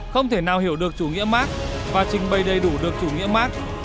không thể nào hiểu được chủ nghĩa mark và trình bày đầy đủ được chủ nghĩa mark